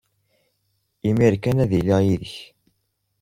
Imir kan ad d-iliɣ yid-k.